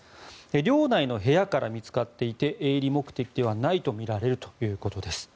寮内の部屋から見つかっていて営利目的ではないとみられるということです。